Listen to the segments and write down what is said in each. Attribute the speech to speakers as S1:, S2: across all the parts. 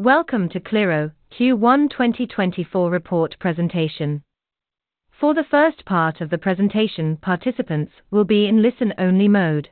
S1: Welcome to Qliro Q1 2024 report presentation. For the first part of the presentation, participants will be in listen-only mode.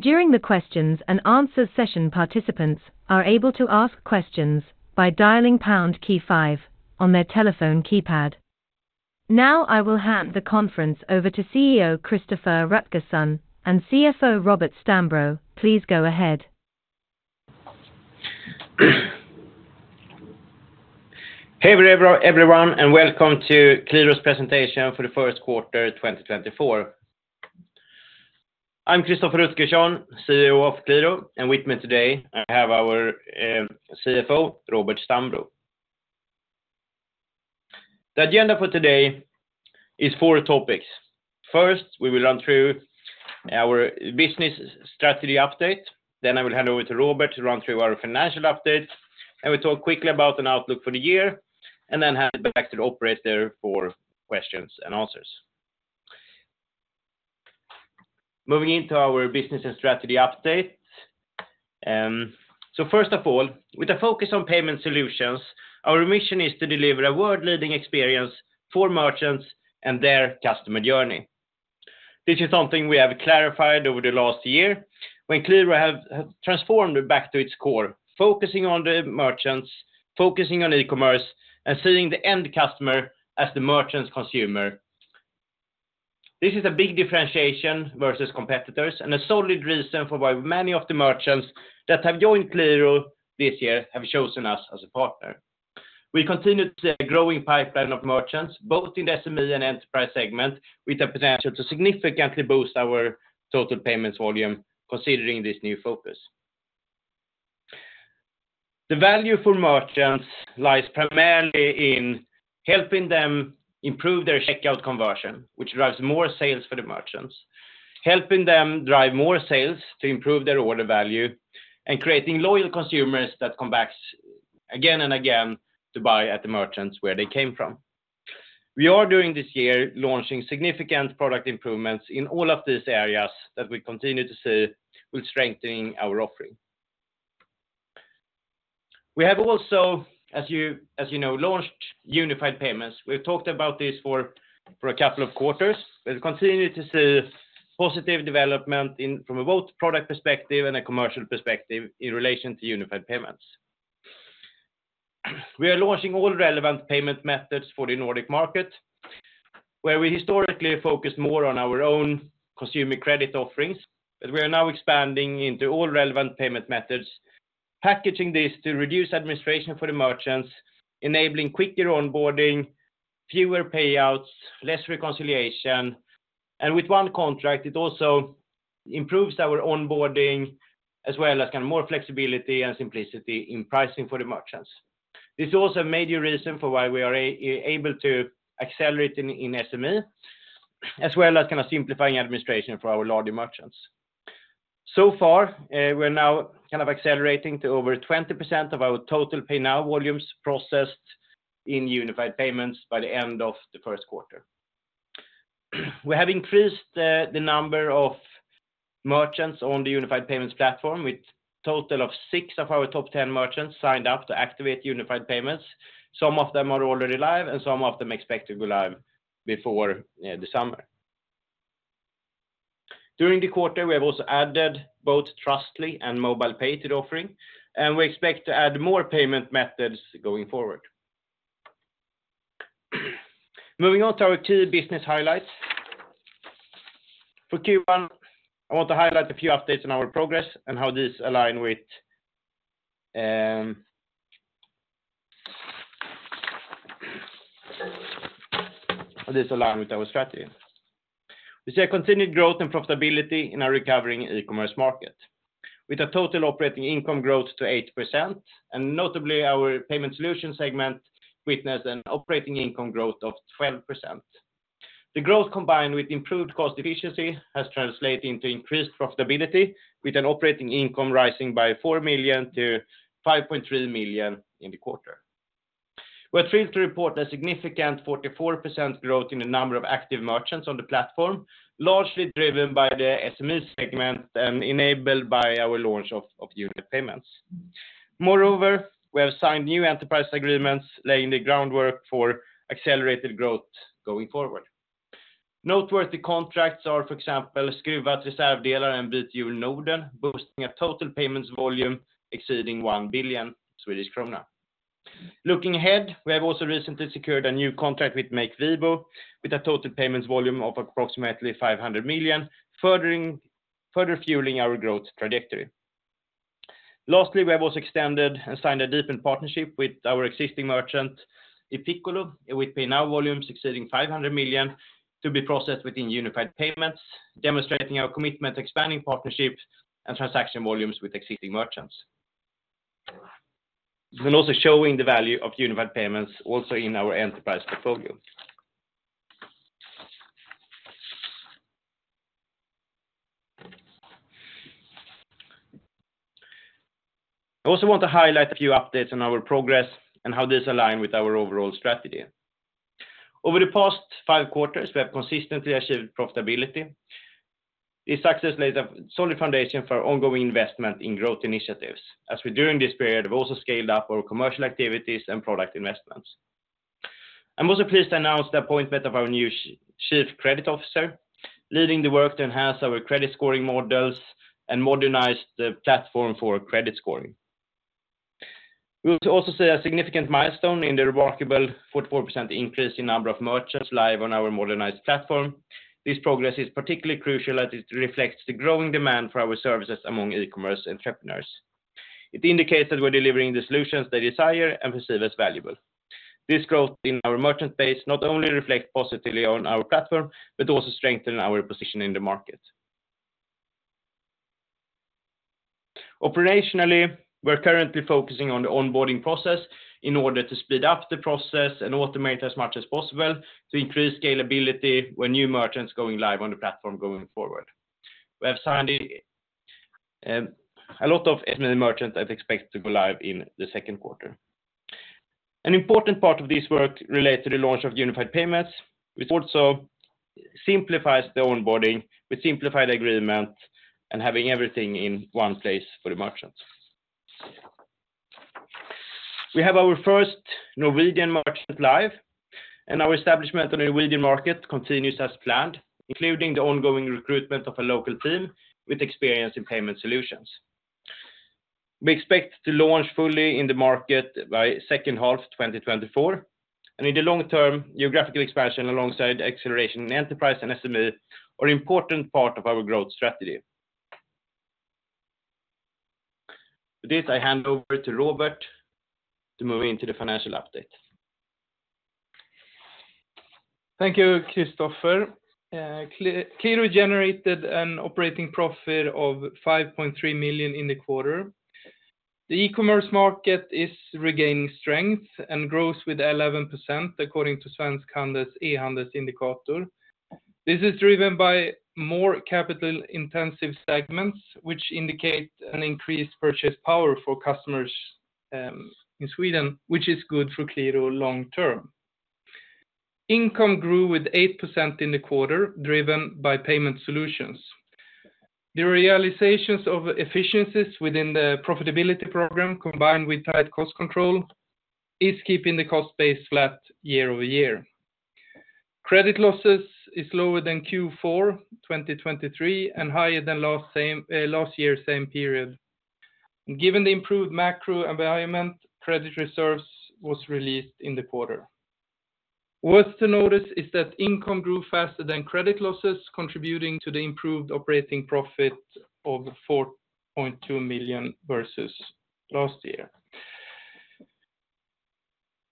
S1: During the questions and answer session, participants are able to ask questions by dialing pound key five on their telephone keypad. Now, I will hand the conference over to CEO Christoffer Rutgersson and CFO Robert Stambro. Please go ahead.
S2: Hey, everyone, and welcome to Qliro's presentation for the first quarter, 2024. I'm Christoffer Rutgersson, CEO of Qliro, and with me today, I have our CFO, Robert Stambro. The agenda for today is four topics. First, we will run through our business strategy update, then I will hand over to Robert to run through our financial update, and we'll talk quickly about an outlook for the year, and then hand it back to the operator for questions and answers. Moving into our business and strategy update. So first of all, with a focus on Payment Solutions, our mission is to deliver a world-leading experience for merchants and their customer journey. This is something we have clarified over the last year, when Qliro has transformed back to its core, focusing on the merchants, focusing on e-commerce, and seeing the end customer as the merchant's consumer. This is a big differentiation versus competitors, and a solid reason for why many of the merchants that have joined Qliro this year have chosen us as a partner. We continue to see a growing pipeline of merchants, both in the SME and enterprise segment, with the potential to significantly boost our total payments volume, considering this new focus. The value for merchants lies primarily in helping them improve their checkout conversion, which drives more sales for the merchants. Helping them drive more sales to improve their order value, and creating loyal consumers that come back again and again, to buy at the merchants where they came from. We are, during this year, launching significant product improvements in all of these areas that we continue to see with strengthening our offering. We have also, as you know, launched Unified Payments. We've talked about this for a couple of quarters. We've continued to see positive development in from both product perspective and a commercial perspective in relation to Unified Payments. We are launching all relevant payment methods for the Nordic market, where we historically focused more on our own consumer credit offerings, but we are now expanding into all relevant payment methods, packaging this to reduce administration for the merchants, enabling quicker onboarding, fewer payouts, less reconciliation, and with one contract, it also improves our onboarding, as well as kind of more flexibility and simplicity in pricing for the merchants. This is also a major reason for why we are able to accelerate in SME, as well as kind of simplifying administration for our larger merchants. So far, we're now kind of accelerating to over 20% of our total Pay Now volumes processed in Unified Payments by the end of the first quarter. We have increased the number of merchants on the Unified Payments platform, with total of six of our top 10 merchants signed up to activate Unified Payments. Some of them are already live, and some of them expect to go live before the summer. During the quarter, we have also added both Trustly and MobilePay to the offering, and we expect to add more payment methods going forward. Moving on to our key business highlights. For Q1, I want to highlight a few updates on our progress and how these align with our strategy. We see a continued growth and profitability in our recovering e-commerce market, with a total operating income growth to 8%, and notably, our Payment Solutions segment witnessed an operating income growth of 12%. The growth, combined with improved cost efficiency, has translated into increased profitability, with an operating income rising by 4 million-5.3 million in the quarter. We're thrilled to report a significant 44% growth in the number of active merchants on the platform, largely driven by the SME segment and enabled by our launch of Unified Payments. Moreover, we have signed new enterprise agreements, laying the groundwork for accelerated growth going forward. Noteworthy contracts are, for example, Skruvat Reservdelar, and Bythjul Norden, boosting a total payments volume exceeding 1 billion Swedish krona. Looking ahead, we have also recently secured a new contract with Mekster, with a total payments volume of approximately 500 million, further fueling our growth trajectory. Lastly, we have also extended and signed a deepened partnership with our existing merchant, iPiccolo, with Pay Now volumes exceeding 500 million to be processed within Unified Payments, demonstrating our commitment to expanding partnerships and transaction volumes with existing merchants. also showing the value of Unified Payments also in our enterprise portfolio. I also want to highlight a few updates on our progress and how these align with our overall strategy. Over the past five quarters, we have consistently achieved profitability. This success laid a solid foundation for ongoing investment in growth initiatives, as we, during this period, have also scaled up our commercial activities and product investments. I'm also pleased to announce the appointment of our new Chief Credit Officer, leading the work to enhance our credit scoring models and modernize the platform for credit scoring. We also see a significant milestone in the remarkable 44% increase in number of merchants live on our modernized platform. This progress is particularly crucial as it reflects the growing demand for our services among e-commerce entrepreneurs. It indicates that we're delivering the solutions they desire and perceive as valuable. This growth in our merchant base not only reflects positively on our platform, but also strengthen our position in the market. Operationally, we're currently focusing on the onboarding process in order to speed up the process and automate as much as possible to increase scalability when new merchants going live on the platform going forward. We have signed a lot of SME merchants that expect to go live in the second quarter. An important part of this work relates to the launch of Unified Payments, which also simplifies the onboarding, with simplified agreement, and having everything in one place for the merchants. We have our first Norwegian merchant live, and our establishment on the Norwegian market continues as planned, including the ongoing recruitment of a local team with experience in Payment Solutions. We expect to launch fully in the market by second half, 2024, and in the long term, geographical expansion alongside acceleration in enterprise and SME are an important part of our growth strategy. With this, I hand over to Robert to move into the financial update.
S3: Thank you, Christoffer. Qliro generated an operating profit of 5.3 million in the quarter. The e-commerce market is regaining strength and grows with 11%, according to Svensk Handels E-handelsindikator. This is driven by more capital-intensive segments, which indicate an increased purchase power for customers, in Sweden, which is good for Qliro long term. Income grew with 8% in the quarter, driven by Payment Solutions. The realizations of efficiencies within the profitability program, combined with tight cost control, is keeping the cost base flat year-over-year. Credit losses is lower than Q4 2023, and higher than last year, same period. Given the improved macro environment, credit reserves was released in the quarter. Worth to notice is that income grew faster than credit losses, contributing to the improved operating profit of 4.2 million versus last year.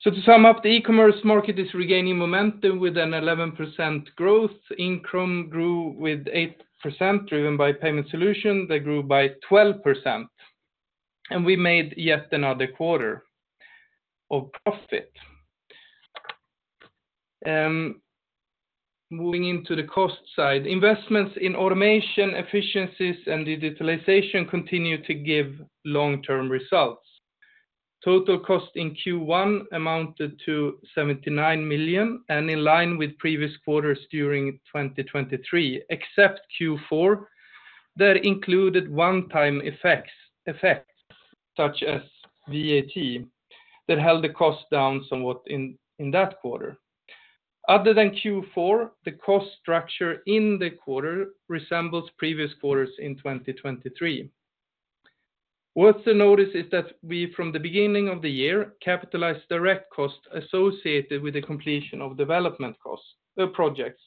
S3: So to sum up, the e-commerce market is regaining momentum with an 11% growth. Income grew with 8%, driven by Payment Solution. They grew by 12%, and we made yet another quarter of profit. Moving into the cost side, investments in automation, efficiencies, and digitalization continue to give long-term results. Total cost in Q1 amounted to 79 million, and in line with previous quarters during 2023, except Q4, that included one-time effects such as VAT that held the cost down somewhat in that quarter. Other than Q4, the cost structure in the quarter resembles previous quarters in 2023. Worth to notice is that we, from the beginning of the year, capitalized direct costs associated with the completion of development costs, projects.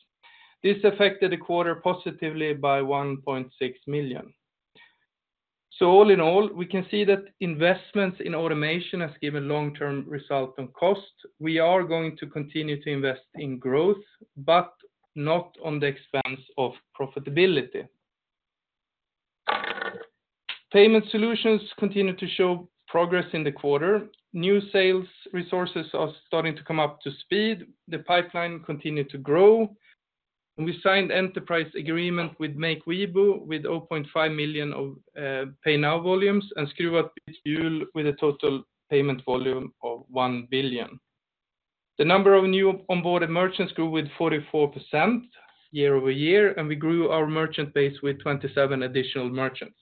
S3: This affected the quarter positively by 1.6 million. So all in all, we can see that investments in automation has given long-term result on cost. We are going to continue to invest in growth, but not on the expense of profitability. Payment Solutions continue to show progress in the quarter. New sales resources are starting to come up to speed. The pipeline continued to grow, and we signed enterprise agreement with Mekster, with 0.5 million of Pay Now volumes and Skruvat with a total payment volume of 1 billion. The number of new onboarded merchants grew with 44% year-over-year, and we grew our merchant base with 27 additional merchants.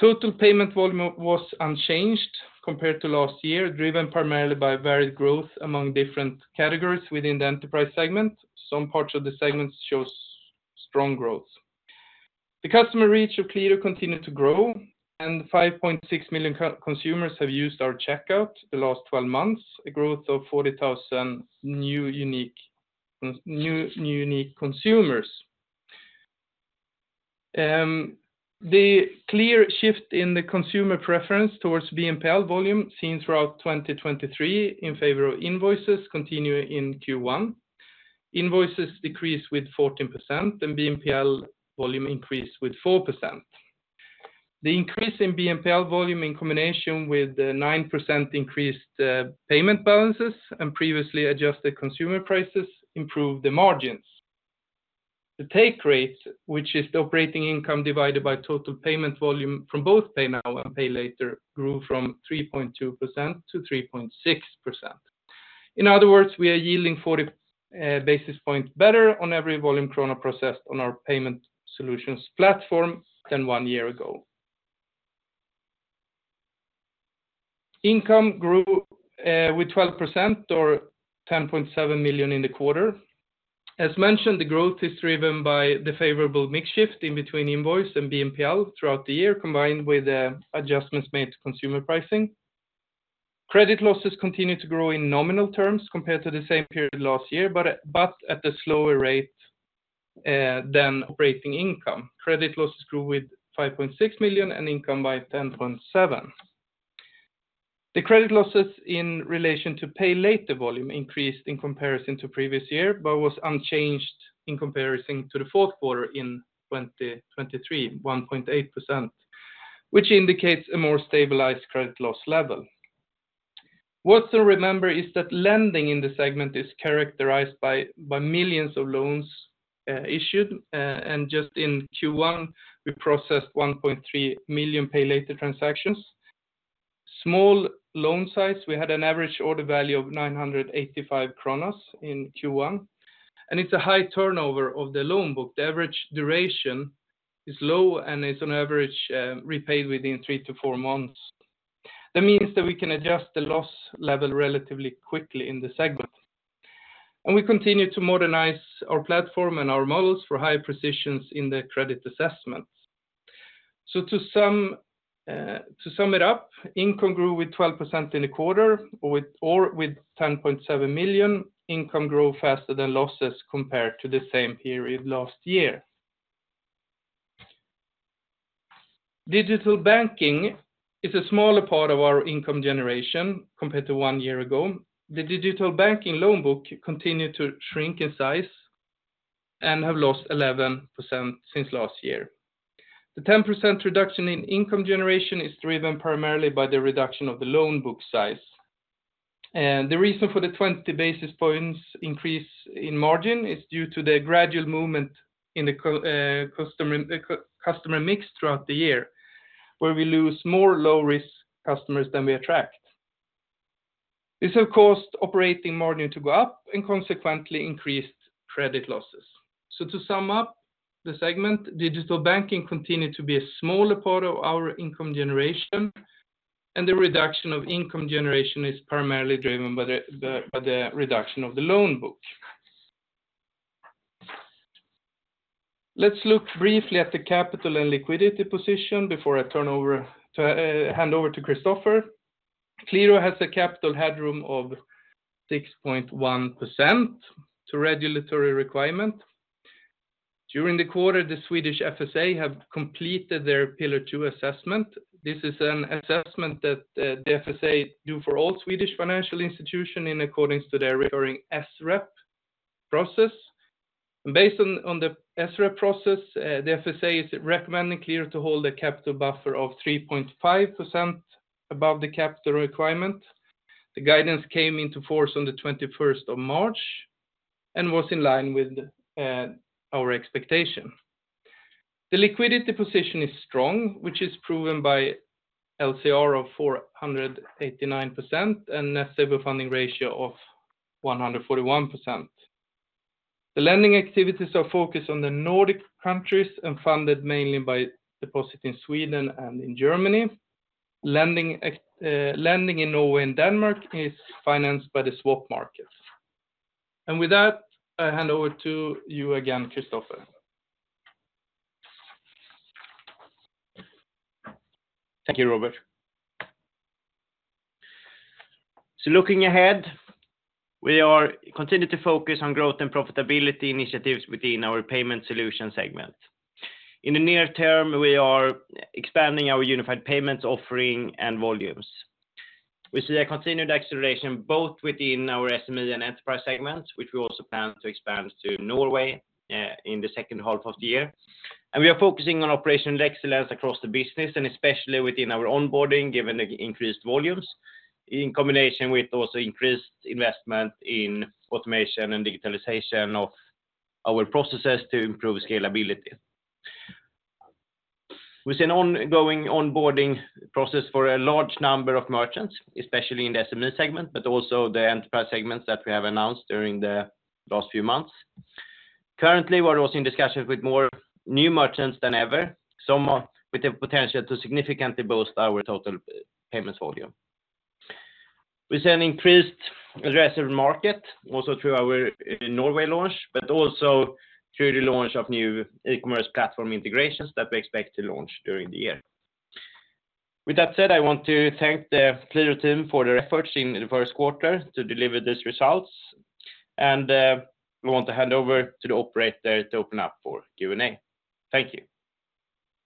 S3: Total payment volume was unchanged compared to last year, driven primarily by varied growth among different categories within the enterprise segment. Some parts of the segments shows strong growth. The customer reach of Qliro continued to grow, and 5.6 million consumers have used our checkout the last twelve months, a growth of 40,000 new unique consumers. The clear shift in the consumer preference towards BNPL volume, seen throughout 2023 in favor of invoices, continue in Q1. Invoices decreased with 14%, and BNPL volume increased with 4%. The increase in BNPL volume, in combination with the 9% increased payment balances and previously adjusted consumer prices, improved the margins. The take rates, which is the operating income divided by total payment volume from both Pay Now and Pay Later, grew from 3.2%-3.6%. In other words, we are yielding 40 basis points better on every volume krona processed on our Payment Solutions platform than one year ago. Income grew with 12% or 10.7 million in the quarter. As mentioned, the growth is driven by the favorable mix shift in between invoice and BNPL throughout the year, combined with adjustments made to consumer pricing. Credit losses continued to grow in nominal terms compared to the same period last year, but at a slower rate than operating income. Credit losses grew with 5.6 million and income by 10.7 million. The credit losses in relation to Pay Later volume increased in comparison to previous year, but was unchanged in comparison to the fourth quarter in 2023, 1.8%, which indicates a more stabilized credit loss level. What to remember is that lending in the segment is characterized by millions of loans issued, and just in Q1, we processed 1.3 million Pay Later transactions. Small loan size, we had an average order value of 985 in Q1, and it's a high turnover of the loan book. The average duration is low and is on average repaid within 3-4 months. That means that we can adjust the loss level relatively quickly in the segment. And we continue to modernize our platform and our models for high precisions in the credit assessments. So to sum it up, income grew with 12% in the quarter or with 10.7 million, income grew faster than losses compared to the same period last year. Digital Banking is a smaller part of our income generation compared to one year ago. The Digital Banking loan book continued to shrink in size and have lost 11% since last year. The 10% reduction in income generation is driven primarily by the reduction of the loan book size. And the reason for the 20 basis points increase in margin is due to the gradual movement in the customer mix throughout the year, where we lose more low-risk customers than we attract. This have caused operating margin to go up and consequently increased credit losses. So to sum up the segment, Digital Banking continued to be a smaller part of our income generation, and the reduction of income generation is primarily driven by the reduction of the loan book. Let's look briefly at the capital and liquidity position before I turn over to hand over to Christoffer. Qliro has a capital headroom of 6.1% to regulatory requirement. During the quarter, the Swedish FSA have completed their Pillar 2 assessment. This is an assessment that the FSA do for all Swedish financial institution in accordance to their recurring SREP process. Based on the SREP process, the FSA is recommending Qliro to hold a capital buffer of 3.5% above the capital requirement. The guidance came into force on the twenty-first of March and was in line with our expectation. The liquidity position is strong, which is proven by LCR of 489% and Net Stable Funding Ratio of 141%. The lending activities are focused on the Nordic countries and funded mainly by deposit in Sweden and in Germany. Lending in Norway and Denmark is financed by the swap markets. With that, I hand over to you again, Christoffer.
S2: Thank you, Robert. So looking ahead, we are continuing to focus on growth and profitability initiatives within our Payment Solution segment. In the near term, we are expanding our Unified Payments offering and volumes. We see a continued acceleration, both within our SME and enterprise segments, which we also plan to expand to Norway, in the second half of the year. And we are focusing on operational excellence across the business, and especially within our onboarding, given the increased volumes, in combination with also increased investment in automation and digitalization of our processes to improve scalability. We see an ongoing onboarding process for a large number of merchants, especially in the SME segment, but also the enterprise segments that we have announced during the last few months. Currently, we're also in discussions with more new merchants than ever, some of with the potential to significantly boost our total payments volume. We see an increased aggressive market also through our Norway launch, but also through the launch of new e-commerce platform integrations that we expect to launch during the year. With that said, I want to thank the Qliro team for their efforts in the first quarter to deliver these results, and we want to hand over to the operator to open up for Q&A. Thank you.